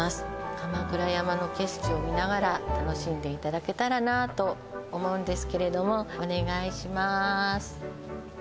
鎌倉山の景色を見ながら楽しんでいただけたらなと思うんですけれどもお願いします